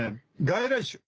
外来種。